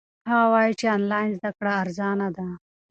هغه وایي چې آنلاین زده کړه ارزانه ده.